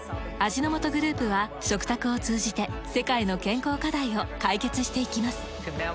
味の素グループは食卓を通じて世界の健康課題を解決していきます。